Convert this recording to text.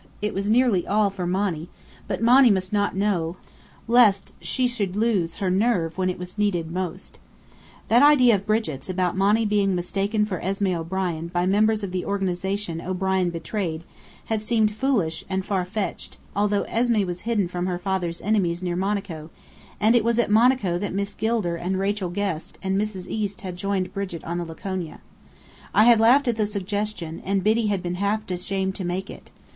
It was nearly all for Monny; but Monny must not know, lest she should lose her nerve when it was needed most. That idea of Brigit's, about Monny being mistaken for Esmé O'Brien by members of the Organization O'Brien betrayed, had seemed foolish and far fetched, although Esmé was hidden from her father's enemies near Monaco, and it was at Monaco that Miss Gilder and Rachel Guest and Mrs. East had joined Brigit on the Laconia. I had laughed at the suggestion, and Biddy had been half ashamed to make it.